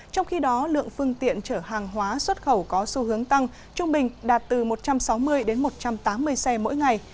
trong khi đó lượng phương tiện chở hàng hóa xuất khẩu có xu hướng tăng trung bình đạt từ một trăm sáu mươi đến một trăm tám mươi xe mỗi ngày